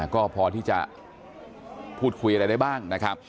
ก็พอที่จะพูดคุยอะไรได้บ้างนะครับ